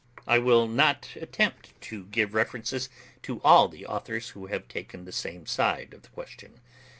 I will not attempt to give references to all the authors who have taken the same side of the question.